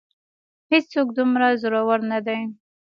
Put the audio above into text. هېڅ څوک دومره زورور نه دی.